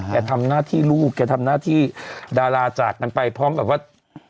แกทำหน้าที่ลูกแกทำหน้าที่ดาราจากกันไปพร้อมแบบว่า